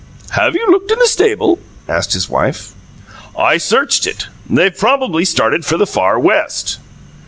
"Have you looked in the stable?" asked his wife. "I searched it. They've probably started for the far West."